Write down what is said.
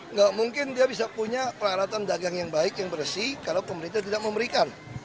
nggak mungkin dia bisa punya peralatan dagang yang baik yang bersih kalau pemerintah tidak memberikan